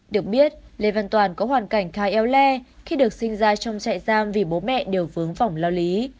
được biết lê văn toàn có hoàn cảnh khai eo le khi được sinh ra trong trại giam vì bố mẹ đều vướng vỏng lao lý